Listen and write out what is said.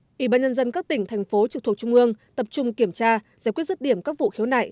ủy ban nhân dân các tỉnh thành phố trực thuộc trung ương tập trung kiểm tra giải quyết rứt điểm các vụ khiếu nại